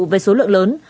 với số lượng lớn